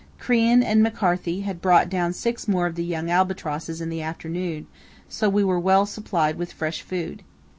Crean and McCarthy had brought down six more of the young albatrosses in the afternoon, so we were well supplied with fresh food.